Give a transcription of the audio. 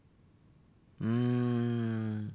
うん。